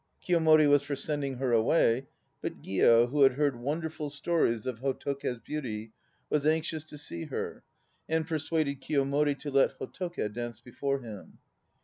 Kiyomori was for sending her away; but Gio, who had heard wonderful stories of Hotoke's beauty, was anxious to see her, and persuaded Kiyomori to let Hotoke dance before him.